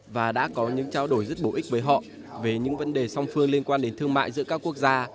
và đã có những trao đổi rất bổ ích với họ về những vấn đề song phương liên quan đến thương mại giữa các quốc gia